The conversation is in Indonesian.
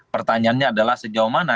pertanyaannya adalah sejauh mana